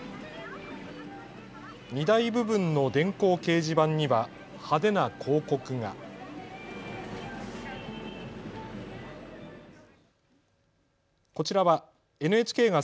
荷台部分の電光掲示板には派手な広告が。